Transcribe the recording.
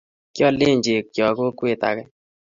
Kialen chekcho kokwet age